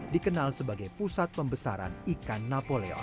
dikenal sebagai pusat pembesaran ikan napoleon